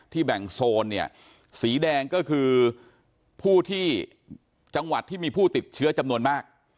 แบ่งโซนเนี่ยสีแดงก็คือผู้ที่จังหวัดที่มีผู้ติดเชื้อจำนวนมาก